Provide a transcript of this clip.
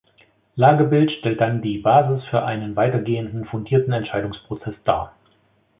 Lagebild stellt dann die Basis für einen weitergehenden fundierten Entscheidungsprozess dar.